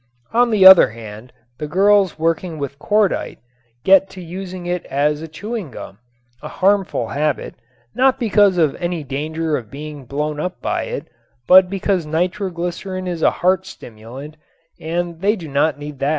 On the other hand, the girls working with cordite get to using it as chewing gum; a harmful habit, not because of any danger of being blown up by it, but because nitroglycerin is a heart stimulant and they do not need that.